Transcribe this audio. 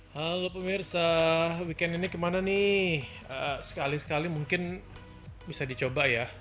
halo pemirsa weekend ini kemana nih sekali sekali mungkin bisa dicoba ya